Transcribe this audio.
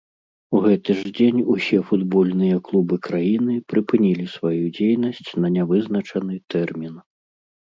У гэты ж дзень усе футбольныя клубы краіны прыпынілі сваю дзейнасць на нявызначаны тэрмін.